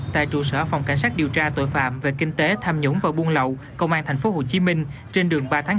tại trụ sở phòng cảnh sát điều tra tội phạm về kinh tế tham nhũng và buôn lậu công an tp hcm trên đường ba tháng chín